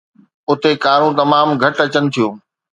اتي ڪارون تمام گهٽ اچن ٿيون.